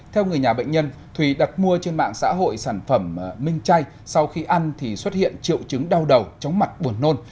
theo người nhà bệnh nhân thùy đặt mua trên mạng xã hội sản phẩm minh chay sau khi ăn thì xuất hiện triệu chứng đau đầu chóng mặt buồn nôn